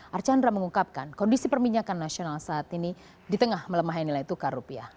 archandra mengungkapkan kondisi perminyakan nasional saat ini di tengah melemahnya nilai tukar rupiah